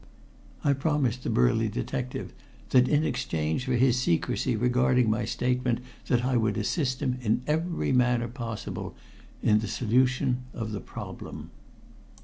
I promised the burly detective that in exchange for his secrecy regarding my statement that I would assist him in every manner possible in the solution of the problem.